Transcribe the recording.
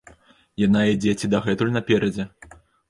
Яна ідзе ці дагэтуль наперадзе?